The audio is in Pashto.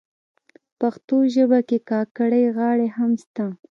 پښتو ژبه کي کاکړۍ غاړي هم سته.